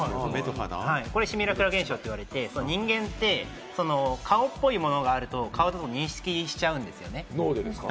これシミュラクラ現象って言われて、人間って顔っぽいものがあると顔って認識しちゃうんですよね。